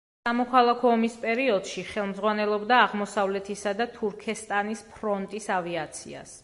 სამოქალაქო ომის პერიოდში ხელმძღვანელობდა აღმოსავლეთისა და თურქესტანის ფრონტის ავიაციას.